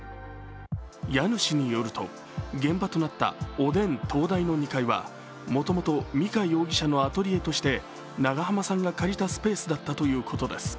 家主によると、現場となったおでん東大の２階はもともと美香容疑者のアトリエとして長濱さんが借りたスペースだったということです。